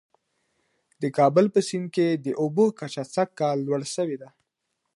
د کابل په سیند کي د اوبو کچه سږ کال لوړه سوې ده.